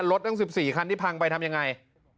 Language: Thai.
ทั้ง๑๔คันที่พังไปทำยังไง